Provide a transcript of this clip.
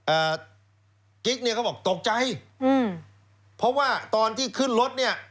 อ่ากิ๊กเนี่ยเขาบอกตกใจอืมเพราะว่าตอนที่ขึ้นรถเนี้ย